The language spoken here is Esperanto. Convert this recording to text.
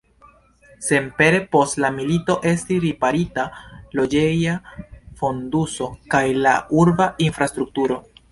Senpere post la milito estis riparita loĝeja fonduso kaj la urba infrastrukturo.